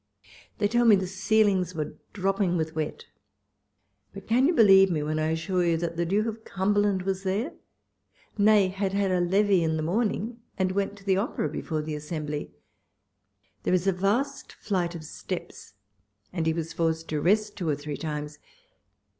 They tell me the ceilings were dropping with wet — but can you believe me, when I assure you that the Duke WALPOLE S LETTERS. 105 of Cumberland was there ?— Nay, had had a levee in the morning, and went to tlio Opera before the assembly There is a vast flight of steps, and he was forced to rest two or three times.